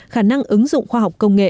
khả năng ứng dụng khoa học công nghệ